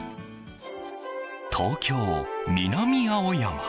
東京・南青山。